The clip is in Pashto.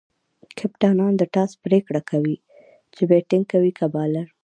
کپتانان د ټاس پرېکړه کوي، چي بيټینګ کوي؛ که بالینګ.